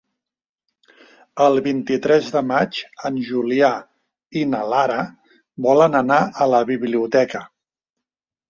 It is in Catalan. El vint-i-tres de maig en Julià i na Lara volen anar a la biblioteca.